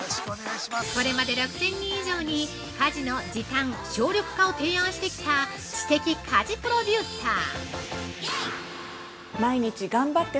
これまで６０００人以上に家事の時短・省略化を提案してきた知的家事プロデューサー。